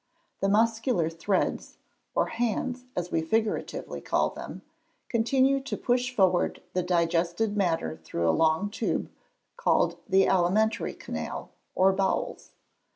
_ The muscular threads (or hands, as we figuratively call them) continue to push forward the digested matter through a long tube, called the alimentary canal, or bowels.